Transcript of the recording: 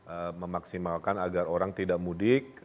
salah satunya adalah memaksimalkan agar orang tidak mudik